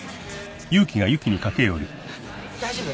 大丈夫？